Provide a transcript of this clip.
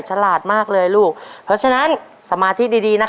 ฉลาดมากเลยลูกเพราะฉะนั้นสมาธิดีดีนะคะ